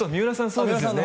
そうですよね